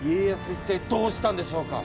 いったいどうしたんでしょうか？